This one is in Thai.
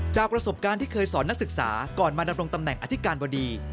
จากประสบการณ์ที่เคยสอนนักศึกษาก่อนมาดำรงตำแหน่งอธิการบดี